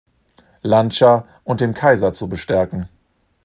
Lancia und dem Kaiser zu bestärken.